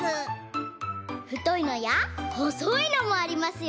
ふといのやほそいのもありますよ。